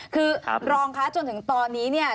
คือรองคะจนถึงตอนนี้เนี่ย